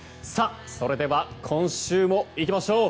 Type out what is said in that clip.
それでは今週もいきましょう。